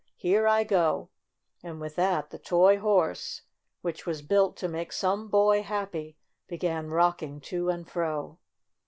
"Here I go !" And with that the toy horse, which was built to make some boy happy, began rocking to and fro.